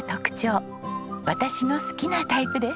私の好きなタイプです。